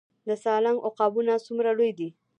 د سالنګ عقابونه څومره لوی دي؟